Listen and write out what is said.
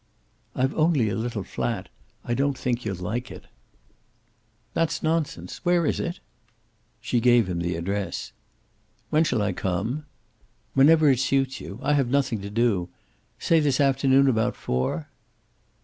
"I've only a little flat. I don't think you'll like it." "That's nonsense. Where is it?" She gave him the address. "When shall I come?" "Whenever it suits you. I have nothing to do. Say this afternoon about four."